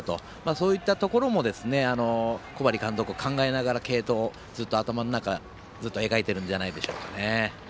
そういったところも小針監督考えながらずっと継投、頭の中に描いているんじゃないでしょうかね。